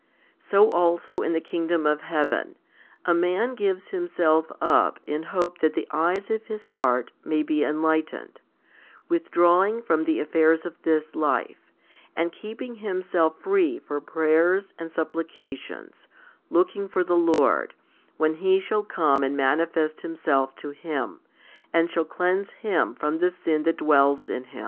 So also in the Kingdom of Heaven a man gives himself up in hope that the eyes of his heart may be enlightened, 2 withdrawing from the affairs of this life, and keeping himself free for prayers and supplications, looking for the Lord, when He shall come and manifest Himself to him, and shall cleanse him from the sin that dwells in him.